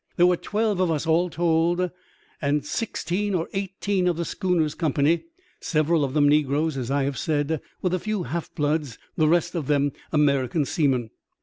There were twelve of us, all told, and spme sixteen or eighteen of the schooner's company, several of them negroes, as I have said, with a few half bloods, the rest of them American seamen.